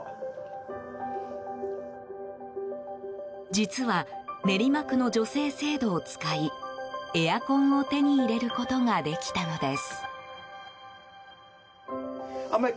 実は練馬区の助成制度を使いエアコンを手に入れることができたのです。